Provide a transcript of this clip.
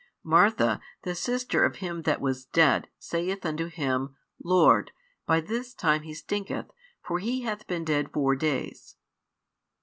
Martha, the sister of him that was dead, saith unto Him, Lord, by this time he stinketh: for he hath been dead four days.